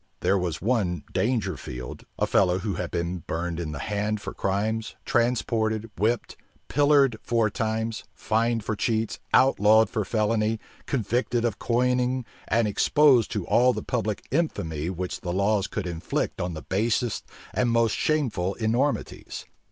There was one Dangerfield, a fellow who had been burned in the hand for crimes, transported, whipped, pilloried four times, fined for cheats, outlawed for felony, convicted of coining, and exposed to all the public infamy which the laws could inflict on the basest and most shameful enormities.